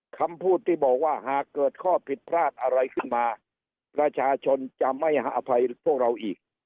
คำพูดที่บอกว่าหากเกิดข้อผิดพลาดอะไรขึ้นมาประชาชนจะไม่ให้อภัยพวกเราอีก